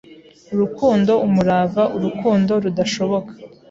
Urukundo, umurava, urukundo rudashoboka,